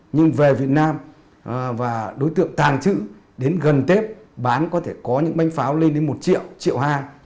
nhưng về việt nam và đối tượng tàn trữ đến gần tết bán có thể có những bánh pháo lên đến một triệu triệu hai